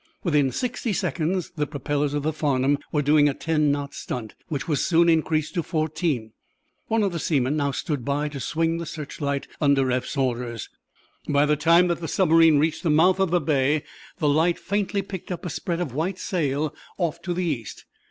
Within sixty seconds the propellers of the "Farnum" were doing a ten knot stunt, which was soon increased to fourteen. One of the seamen now stood by to swing the searchlight under Eph's orders. By the time that the submarine reached the mouth of the bay the light faintly picked up a spread of white sail, off to the East.